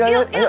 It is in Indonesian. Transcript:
yuk yuk yuk